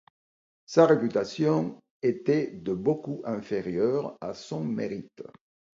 Sa réputation était de beaucoup inférieure à son mérite.